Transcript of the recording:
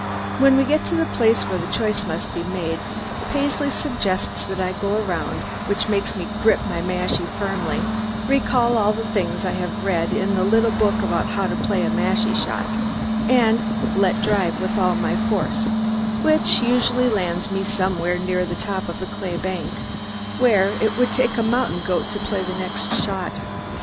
When we get to the place where the choice must be made, Paisley suggests that I go around, which makes me grip my mashie firmly, recall all the things I have read in the little book about how to play a mashie shot, and let drive with all my force, which usually lands me somewhere near the top of the clay bank, where it would take a mountain goat to play the next shot.